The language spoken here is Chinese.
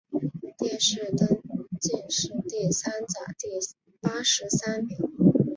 殿试登进士第三甲第八十三名。